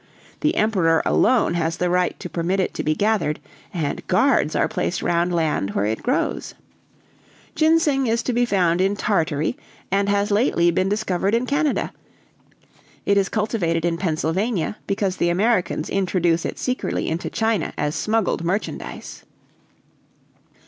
"The emperor alone has the right to permit it to be gathered, and guards are placed round land where it grows. "Ginseng is to be found in Tartary, and has lately been discovered in Canada; it is cultivated in Pennsylvania, because the Americans introduce it secretly into China as smuggled merchandise."